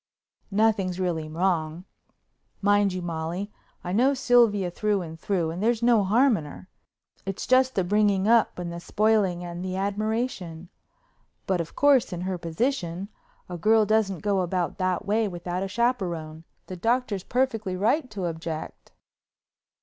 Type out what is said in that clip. "Nothing's really wrong. Mind you, Molly, I know Sylvia through and through and there's no harm in her—it's just the bringing up and the spoiling and the admiration. But, of course, in her position, a girl doesn't go about that way without a chaperone. The Doctor's perfectly right to object."